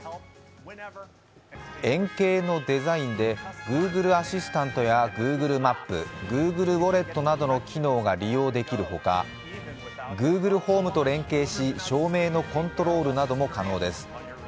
円形のデザインでＧｏｏｇｌｅアシスタントやＧｏｏｇｌｅマップ、Ｇｏｏｇｌｅウォレットなどの機能が利用できるほか、Ｇｏｏｇｌｅホームと連携し照明のコントロールなども可能です。